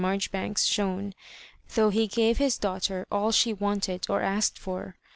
Marjoribanks shone, though he gave his (laughter all she wanted or asked for.